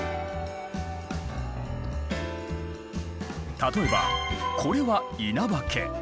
例えばこれは稲葉家